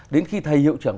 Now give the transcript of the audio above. đến khi thầy hiệu trưởng